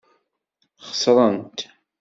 Xeṣrent.